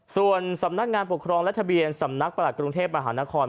ส่วนสำนักงานปกครองและทะเบียนสำนักประหลักกรุงเทพมหานคร